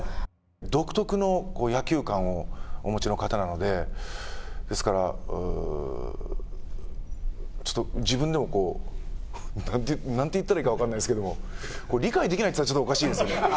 独特の野球観をお持ちの方なのでですから、ちょっと、自分でも、何と言ったらいいか分からないですけど理解できないと言ったらちょっとおかしいですけど。